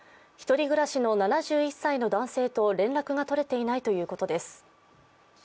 １人暮らしの７１歳の男性と連絡がとれていないということです。